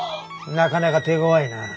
なかなか手ごわいな。